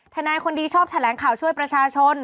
ทนายคนดีชอบแถลงข่าวช่วยประชาชน